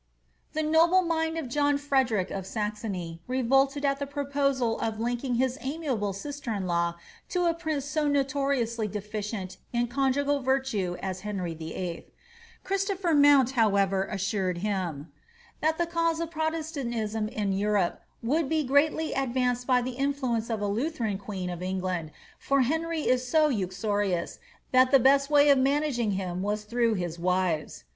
* The noble mind or John Frederick of Saxony revolted at the pro posal of linking his amiable sister in law to a prince so notoriously defi cient in conjugal virtue as Henry VIII. Christopher Mount, however, •ssured him, ^that the cause of protestantism in Europe would be freatly advanced by the influence of a Lutheran queen of England, for Ifeury was so uxorious, that the best way of managing him was through liis wives."